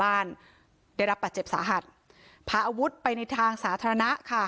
บ้านได้รับบาดเจ็บสาหัสพาอาวุธไปในทางสาธารณะค่ะ